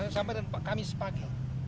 sampai dengan kamis pagi